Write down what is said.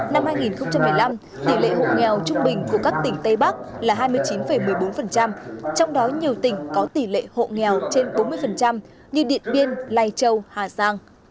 năm hai nghìn một mươi năm tỷ lệ hộ nghèo trung bình của các tỉnh tây bắc là hai mươi chín một mươi bốn trong đó nhiều tỉnh có tỷ lệ hộ nghèo trên bốn mươi như điện biên lai châu hà giang